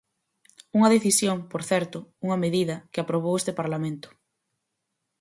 Unha decisión, por certo, unha medida, que aprobou este Parlamento.